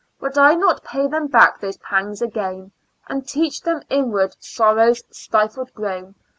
Would I not pay them back those pangs again. And teach them inward sorrow's stifled groan